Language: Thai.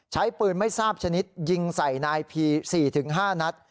ใช้ปืนไม่ทราบชนิดยิงใส่นายพี๔๕นัด